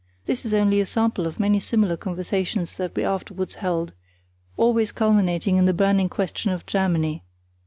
This is only a sample of many similar conversations that we afterwards held, always culminating in the burning question of Germany.